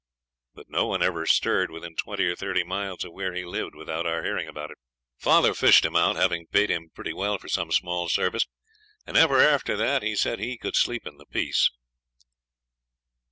But no one ever stirred within twenty or thirty miles of where he lived without our hearing about it. Father fished him out, having paid him pretty well for some small service, and ever after that he said he could sleep in peace.